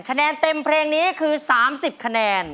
คะแนนเต็มเพลงนี้คือ๓๐คะแนน